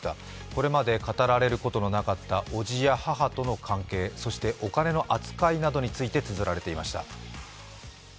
これまで語られることのなかったおじや母との関係、そしてお金の扱いなどについてつづられていました。